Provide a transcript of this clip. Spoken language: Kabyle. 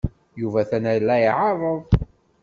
Yuba atan la iɛerreḍ